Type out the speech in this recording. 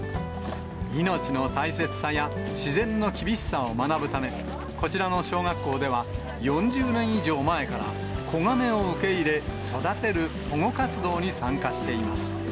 命の大切さや、自然の厳しさを学ぶため、こちらの小学校では、４０年以上前から、子ガメを受け入れ、育てる保護活動に参加しています。